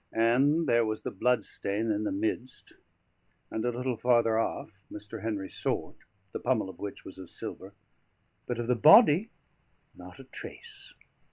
And there was the blood stain in the midst; and a little farther off Mr. Henry's sword, the pommel of which was of silver; but of the body, not a trace.